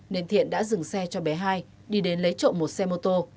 nên thiện đã dừng xe cho bé hai đi đến lấy trộm một xe mô tô